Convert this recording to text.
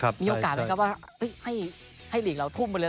มีโอกาสไหมครับว่าให้หลีกเราทุ่มไปเลย